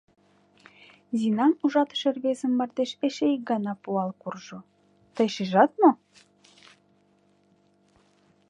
Зинам ужатыше рвезым мардеж эше ик гана пуал куржо: «Тый шижат мо?